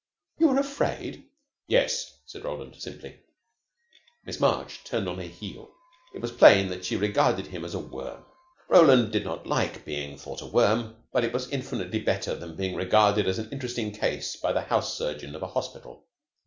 "You are afraid?" "Yes," said Roland simply. Miss March turned on her heel. It was plain that she regarded him as a worm. Roland did not like being thought a worm, but it was infinitely better than being regarded as an interesting case by the house surgeon of a hospital.